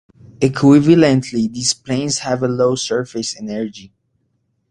Equivalently, these planes have a low surface energy.